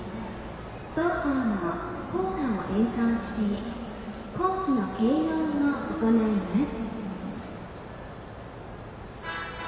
同校の校歌を演奏して校旗の掲揚を行います。